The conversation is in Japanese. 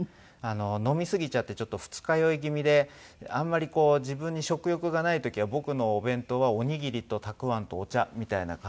飲みすぎちゃってちょっと二日酔い気味であんまりこう自分に食欲がない時は僕のお弁当はおにぎりとたくあんとお茶みたいな感じだった。